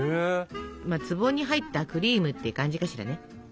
「壺に入ったクリーム」って感じかしらね。